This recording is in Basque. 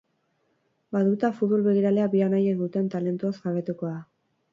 Batuta futbol begiralea bi anaiek duten talentuaz jabetuko da.